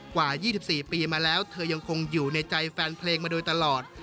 กว่า๒๔ปีมาแล้วเธอยังคงอยู่ในใจแฟนเพลงมาโดยตลอด